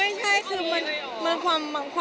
ไม่ใช่คือมันความฝันของผู้หญิงค่ะ